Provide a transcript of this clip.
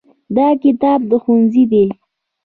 دا کتاب د ښوونځي دی.